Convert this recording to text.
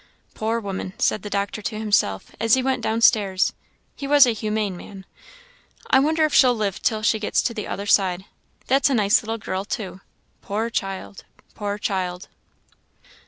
"Poor woman!" said the doctor to himself, as he went down stairs (he was a humane man) "I wonder if she'll live till she gets to the other side! That's a nice little girl, too. Poor child! poor child!"